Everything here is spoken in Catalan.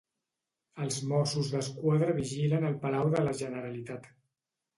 Els Mossos d'Esquadra vigilen el Palau de la Generalitat.